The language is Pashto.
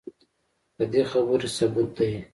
ددې خبرې ثبوت دے